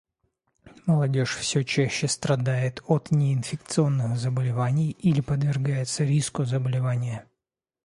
Молодежь все чаще страдает от неинфекционных заболеваний или подвергается риску заболевания.